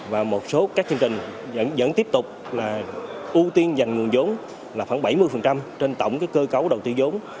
và một số các chương trình vẫn tiếp tục là ưu tiên dành nguồn giống là khoảng bảy mươi trên tổng cơ cấu đầu tư giống